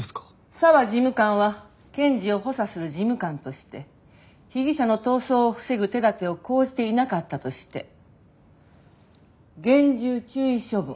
沢事務官は検事を補佐する事務官として被疑者の逃走を防ぐ手立てを講じていなかったとして厳重注意処分。